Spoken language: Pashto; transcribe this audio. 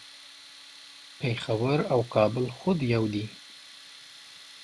پیښور او کابل خود یو دي